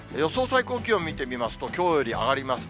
最高気温見てみますと、きょうより上がります。